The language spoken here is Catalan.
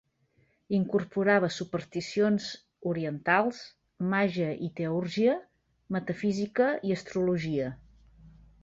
Incorporava supersticions orientals, màgia i teúrgia, metafísica i astrologia.